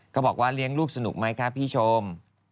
บอกว่าเลี้ยงลูกสนุกไหมคะพี่ชม